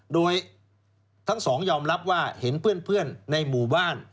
โดยทั้งสองยอมรับว่าเห็นเพื่อนในหมู่บ้าน